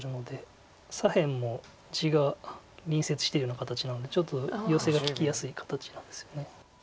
左辺も地が隣接してるような形なのでちょっとヨセが利きやすい形なんですよね。